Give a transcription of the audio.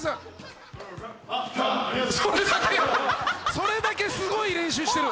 それだけすごい練習してる。